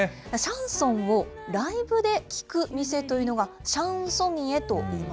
シャンソンをライブで聴く店というのがシャンソニエといいます。